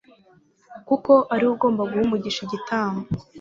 kuko ari we ugomba guha umugisha igitambo